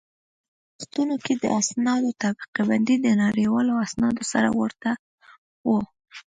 په پخوا وختونو کې د اسنادو طبقه بندي د نړیوالو اسنادو سره ورته وه